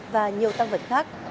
và nhiều tăng vật khác